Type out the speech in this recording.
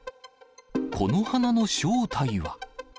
この花の正体は。